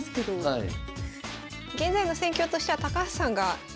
はい。